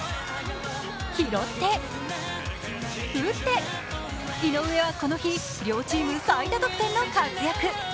拾って、打って、井上はこの日両チーム最多得点の活躍。